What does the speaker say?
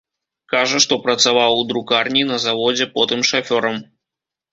Кажа, што працаваў у друкарні, на заводзе, потым шафёрам.